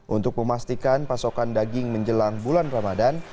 untuk memastikan pasokan daging menjelang bulan ramadan